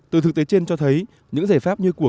từ thực tế trên cho thấy những giải pháp như của